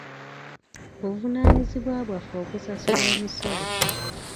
Buvunaanyizibwa bwaffe okusasula omusolo.